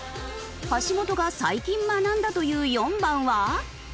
橋本が最近学んだという４番は。